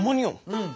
うん。